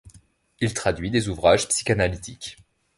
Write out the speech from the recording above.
Il traduit des ouvrages psychanalytiques.